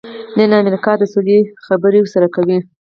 نن امریکا د سولې خبرې ورسره کوي.